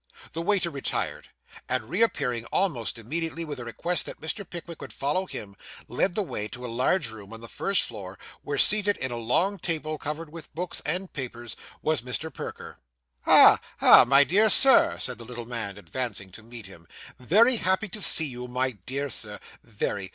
The waiter retired; and reappearing almost immediately with a request that Mr. Pickwick would follow him, led the way to a large room on the first floor, where, seated at a long table covered with books and papers, was Mr. Perker. 'Ah ah, my dear Sir,' said the little man, advancing to meet him; 'very happy to see you, my dear Sir, very.